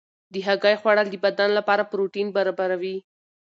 د هګۍ خوړل د بدن لپاره پروټین برابروي.